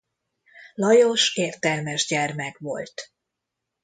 Lajos értelmes gyermek volt.